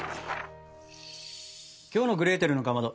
きょうの「グレーテルのかまど」